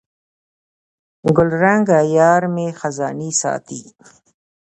ګلرنګه یارمي خزانې ساتي